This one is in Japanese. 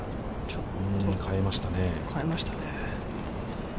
ちょっと変えましたね。